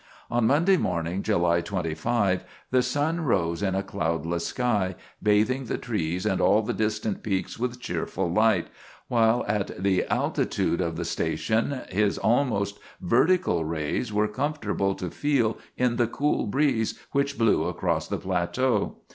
On Monday morning, July 25, the sun rose in a cloudless sky, bathing the trees and all the distant peaks with cheerful light, while at the altitude of the station his almost vertical rays were comfortable to feel in the cool breeze which blew across the plateau.